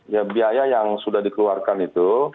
ya biaya yang sudah dikeluarkan itu